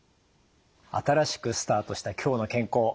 新しくスタートした「きょうの健康」。